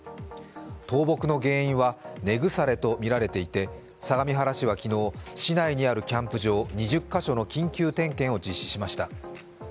倒木の原因は根腐れとみられていて市内にあるキャンプ場２０か所の緊急点検を実施しました。